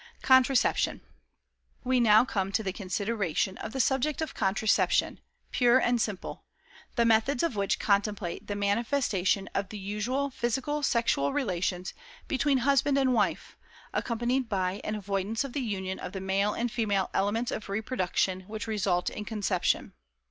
Contraception. We now come to the consideration of the subject of Contraception, pure and simple, the methods of which contemplate the manifestation of the usual physical sexual relations between husband and wife, accompanied by an avoidance of the union of the male and female elements of reproduction which result in conception.